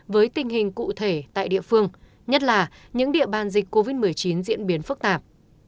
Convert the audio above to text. với tình hình cụ thể tại địa phương nhất là những địa bàn dịch covid một mươi chín diễn biến phức tạp